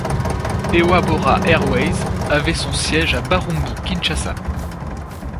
Hewa Bora Airways avait son siège à Barumbu, Kinshasa.